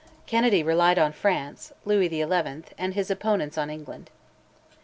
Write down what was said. Kennedy relied on France (Louis XL), and his opponents on England.